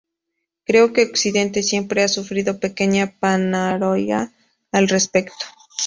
Creo que Occidente siempre ha sufrido pequeña paranoia al respecto.